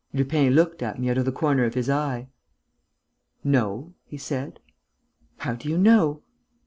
Lupin looked at me out of the corner of his eye: "No," he said. "How do you know?"